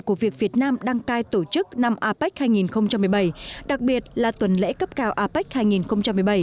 của việc việt nam đăng cai tổ chức năm apec hai nghìn một mươi bảy đặc biệt là tuần lễ cấp cao apec hai nghìn một mươi bảy